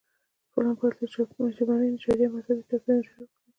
فلم باید له ژبني، نژادي او مذهبي توپیرونو ډډه وکړي